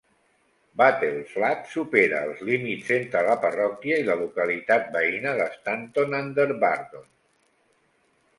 Battleflat supera els límits entre la parròquia i la localitat veïna de Stanton under Bardon.